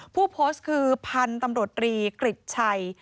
ผู้โพสต์คือพันธุ์ตำรวจรีกริจชัย